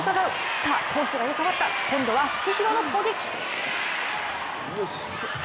さあ攻守が入れ代わった今度はフクヒロの攻撃。